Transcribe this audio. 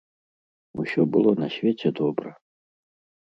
Усё было на свеце добра.